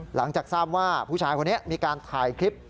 หลังจากทราบว่าผู้ชายคนนี้มีการถ่ายคลิป